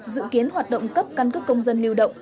dự kiến hoạt động cấp căn cước công dân lưu động